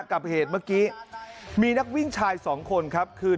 กับเหตุเมื่อกี้มีนักวิ่งชายสองคนครับคือ